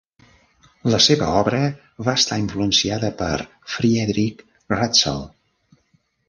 La seva obra va estar influenciada per Friedrich Ratzel.